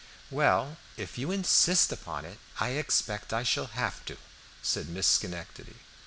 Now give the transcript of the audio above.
"Well, if you insist upon it, I expect I shall have to," said Miss Schenectady.